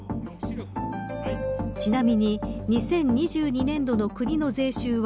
ちなみに２０２２年度の国の税収は